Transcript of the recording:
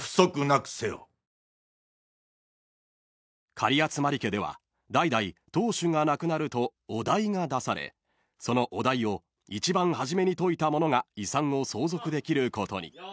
［狩集家では代々当主が亡くなるとお題が出されそのお題を一番初めに解いた者が遺産を相続できることに］